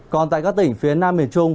còn tại các tỉnh phía nam miền trung